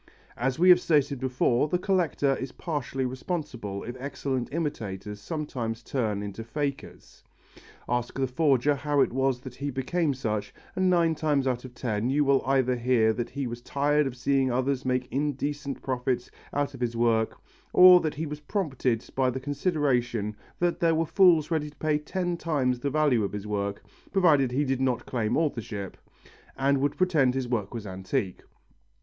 As we have stated before, the collector is partially responsible if excellent imitators sometimes turn into fakers. Ask the forger how it was that he became such, and nine times out of ten you will either hear that he was tired of seeing others make indecent profits out of his work, or that he was prompted by the consideration that there were fools ready to pay ten times the value of his work, provided he did not claim authorship, and would pretend his work was antique.